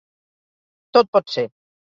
Tot pot ser.